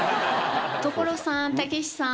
所さんたけしさん。